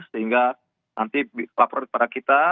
sehingga nanti lapor kepada kita